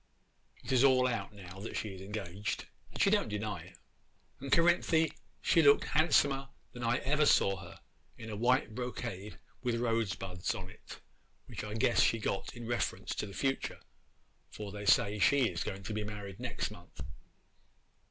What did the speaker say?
It is all out now that she is engaged, and she don't deny it. 'And Cerinthy, she looked handsomer than I ever saw her, in a white brocade with rosebuds on it, which I guess she got in reference to the future, for they say she is going to be married next month.